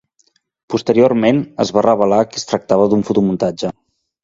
Posteriorment es va revelar que es tractava d'un fotomuntatge.